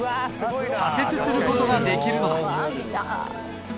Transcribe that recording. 左折する事ができるのだ。